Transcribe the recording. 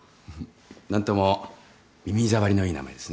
何とも耳障りのいい名前ですね。